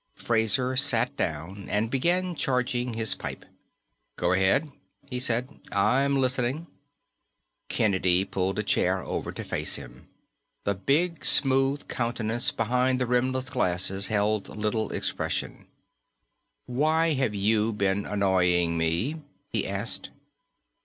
Fraser sat down and began charging his pipe. "Go ahead," he said. "I'm listening." Kennedy pulled a chair over to face him. The big smooth countenance behind the rimless glasses held little expression. "Why have you been annoying me?" he asked.